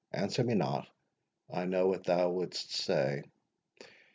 Answer me not: I know what thou wouldst say.